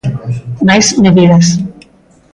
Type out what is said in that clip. Máis medidas.